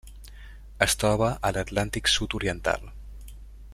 Es troba a l'Atlàntic sud-oriental.